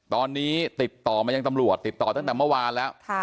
ตอนนี้ติดต่อมายังตำรวจติดต่อตั้งแต่เมื่อวานแล้ว